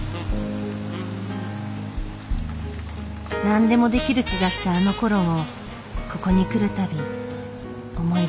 何でもできる気がしたあのころをここに来る度思い出す。